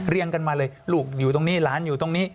กันมาเลยลูกอยู่ตรงนี้หลานอยู่ตรงนี้